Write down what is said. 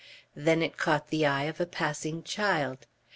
Then it caught the eye of a passing child.